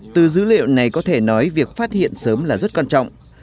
từ dữ liệu này có thể nói việc phát hiện sớm là rất quan trọng